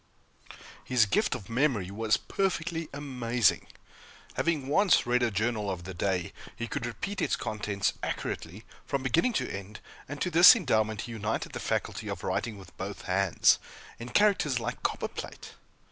His gift of memory was perfectly amazing. Having once read a journal of the day, he could repeat its contents accurately, from beginning to end; and to this endowment he united the faculty of writing with both hands, in characters like copperplate.